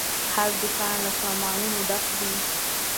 هر دوکان له سامانونو ډک دی.